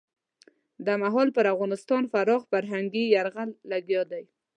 دغه مهال پر افغانستان پراخ فرهنګي یرغل لګیا دی.